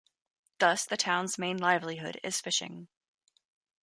Thus, the town's main livelihood is fishing.